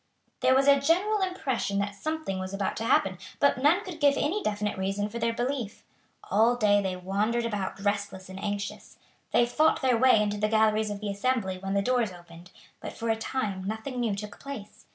There was a general impression that something was about to happen, but none could give any definite reason for their belief. All day they wandered about restless and anxious. They fought their way into the galleries of the Assembly when the doors opened, but for a time nothing new took place.